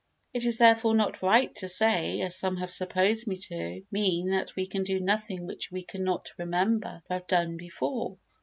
It is therefore not right to say, as some have supposed me to mean, that we can do nothing which we do not remember to have done before.